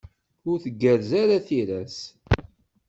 Ur tgerrez ara tira-s.